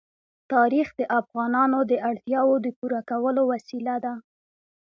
تاریخ د افغانانو د اړتیاوو د پوره کولو وسیله ده.